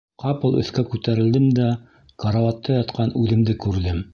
Ҡапыл өҫкә күтәрелдем дә... карауатта ятҡан үҙемде күрҙем...